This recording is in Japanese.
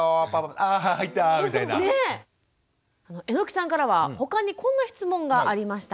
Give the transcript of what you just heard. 榎さんからは他にこんな質問がありました。